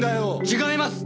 違います！